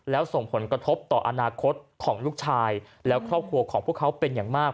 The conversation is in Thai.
แล้วส่งผลกระทบต่ออนาคตของลูกชายและครอบครัวของพวกเขาเป็นอย่างมาก